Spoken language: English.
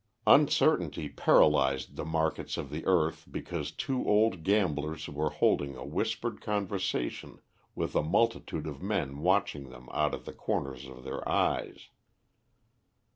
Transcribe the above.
Uncertainty paralysed the markets of the earth because two old gamblers were holding a whispered conversation with a multitude of men watching them out of the corners of their eyes.